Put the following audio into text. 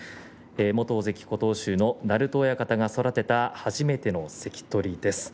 元大関琴欧洲の鳴戸親方が育てた初めての関取です。